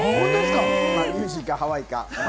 ニュージーかハワイか。